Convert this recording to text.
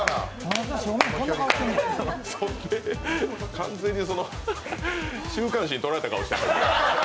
完全に週刊誌に撮られた顔してる。